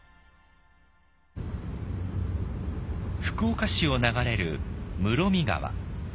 福岡市を流れる室見川。